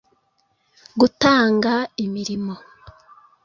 gutanga imirimo